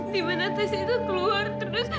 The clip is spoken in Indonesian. dimana tas itu keluar terus